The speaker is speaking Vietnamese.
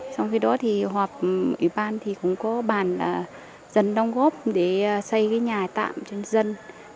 sau khi đó hợp ủy ban cũng có bàn dân đồng góp để xây nhà tạm cho dân